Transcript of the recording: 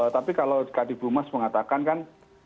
tapi kalau kak kadipul mas mengatakan kan